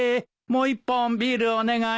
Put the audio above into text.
もう１本ビールお願い。